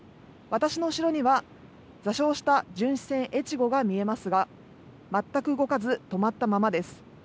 私の後ろには座礁した巡視船えちごが見えますが全く動かず止まったままです。